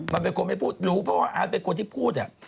มันเป็นคนไม่พูดรู้เพราะว่าอาร์ตเป็นคนที่พูด